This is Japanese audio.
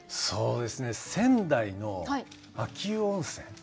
そうですね仙台の秋保温泉。